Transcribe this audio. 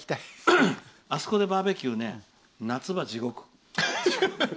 あそこでバーベキューはね夏場、地獄。